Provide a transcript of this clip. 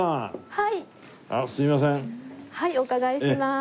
はいお伺いします。